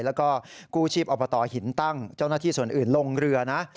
แล้วก็กู้ชีพอบตหินตั้งเจ้าหน้าที่ส่วนอื่นลงเรือนะ